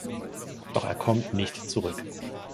Doch er kommt nicht zurück.